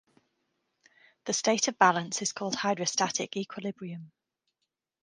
The state of balance is called hydrostatic equilibrium.